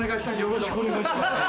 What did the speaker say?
よろしくお願いします。